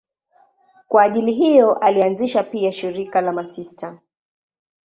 Kwa ajili hiyo alianzisha pia shirika la masista.